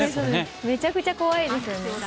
めちゃくちゃ怖いですよね。